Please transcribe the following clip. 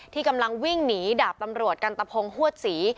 กำลังวิ่งหนีดาบตำรวจกันตะพงฮวดศรี